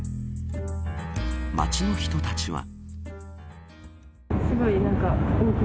街の人たちは。